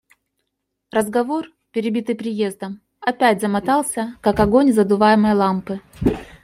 Разговор, перебитый приездом, опять замотался, как огонь задуваемой лампы.